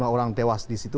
lima orang tewas di situ